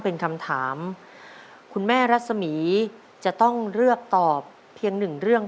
เป็นคำถามคุณแม่รัศมีจะต้องเลือกตอบเพียงหนึ่งเรื่อง